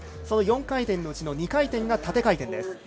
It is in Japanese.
その４回転のうちの２回転が縦回転です。